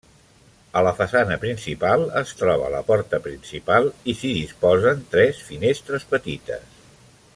A la façana principal es troba la porta principal i s'hi disposen tres finestres petites.